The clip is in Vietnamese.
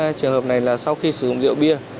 đối với các trường hợp này là sau khi sử dụng rượu bia